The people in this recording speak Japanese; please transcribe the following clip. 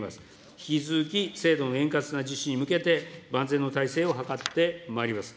引き続き、制度の円滑な実施に向けて万全の体制を図ってまいります。